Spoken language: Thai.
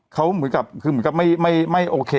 เขาเหมือนกับคือเหมือนกับไม่โอเค